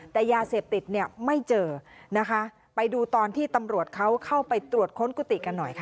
แต่ยาเสพติดเนี่ยไม่เจอนะคะไปดูตอนที่ตำรวจเขาเข้าไปตรวจค้นกุฏิกันหน่อยค่ะ